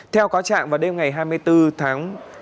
theo cáo trạng vào đêm ngày hai mươi bốn tháng